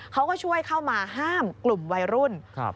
เขาก็ช่วยเข้ามาห้ามกลุ่มวัยรุ่นครับ